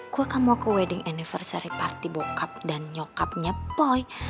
gue kan mau ke wedding anniversary party bokap dan nyokapnya boy